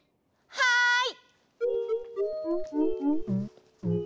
はい！